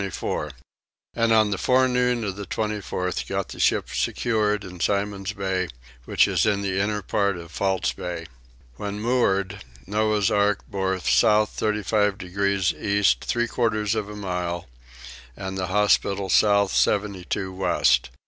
And on the forenoon of the 24th got the ship secured in Simon's Bay, which is in the inner part of False Bay. When moored, Noah's ark bore south 35 degrees east three quarters of a mile, and the hospital south 72 west.